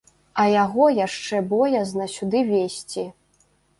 А яго яшчэ боязна сюды везці.